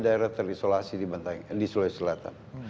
daerah terisolasi di sulawesi selatan